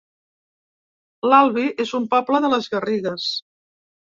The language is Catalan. L'Albi es un poble de les Garrigues